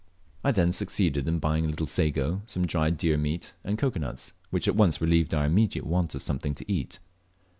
I then succeeded in buying a little sago, some dried deer meat and cocoa nuts, which at once relieved our immediate want of something to eat.